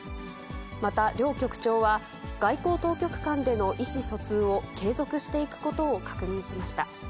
また、両局長は、外交当局間での意思疎通を継続していくことを確認しました。